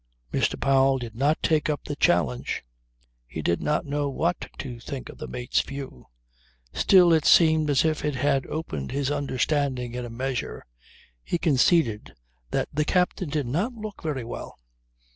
'" Mr. Powell did not take up the challenge. He did not know what to think of the mate's view. Still, it seemed as if it had opened his understanding in a measure. He conceded that the captain did not look very well.